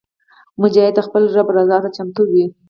مجاهد د خپل رب رضا ته چمتو وي.